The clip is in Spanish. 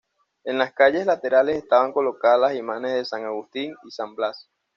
En las calles laterales estaban colocadas las imágenes de San Agustín y San Blas.